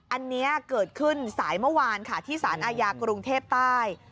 อันนี้เกิดขึ้นสายเมื่อวาลค่ะที่ศาลอายาปมกฤทธิ์ใต้